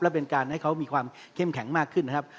และเป็นการให้เขามีความเข้มแข็งมากขึ้นนะครับ